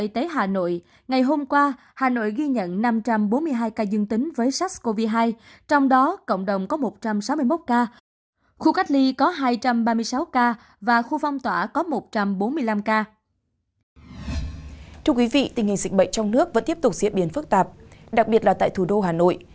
thưa quý vị tình hình dịch bệnh trong nước vẫn tiếp tục diễn biến phức tạp đặc biệt là tại thủ đô hà nội